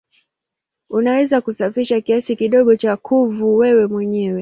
Unaweza kusafisha kiasi kidogo cha kuvu wewe mwenyewe.